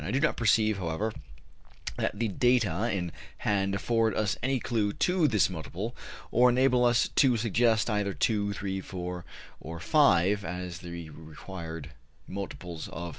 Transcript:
I do not perceive, however, that the data in hand afford us any clue to this multiple, or enable us to suggest either 2, 3, 4, or 5 as the required multiple of 37.